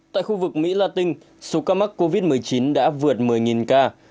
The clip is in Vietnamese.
tại khu vực mỹ la tinh số ca mắc covid một mươi chín đã vượt một mươi ca